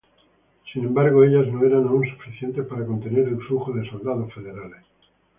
Sin embargo, ellas no eran aún suficientes para contener el flujo de soldados federales.